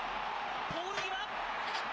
ポール際。